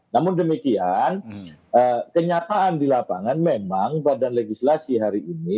namun demikian kenyataan di lapangan memang badan legislasi hari ini